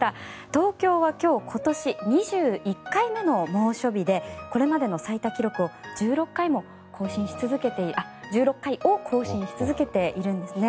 東京は今日今年２１回目の猛暑日でこれまでの最多記録、１６回を更新し続けているんですね。